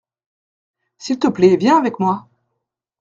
S’il te plait viens avec moi.